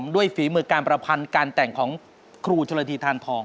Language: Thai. ฝีมือการประพันธ์การแต่งของครูชนละทีทานทอง